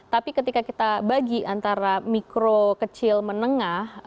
tapi ketika kita bagi antara mikro kecil menengah